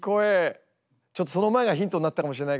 ちょっとその前がヒントになってたかもしれないけど。